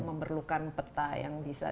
memerlukan peta yang bisa